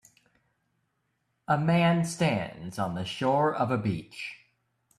A man stands on the shore of a beach